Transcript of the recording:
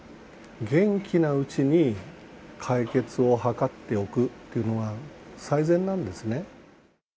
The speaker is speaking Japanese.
元気なうちに解決を図っておくっていうのが最善なんですね。